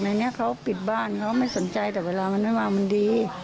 ในนี้เขาปิดบ้านเขาไม่สนใจแต่เวลามันไม่ว่างมันดี